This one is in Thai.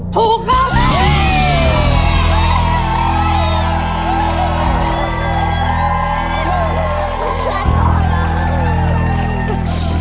ถูกคำ